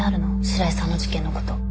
白井さんの事件のこと。